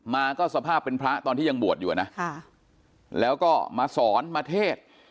มาก็สภาพเป็นพระตอนที่ยังบวชอยู่นะแล้วก็มาสอนมาเทศ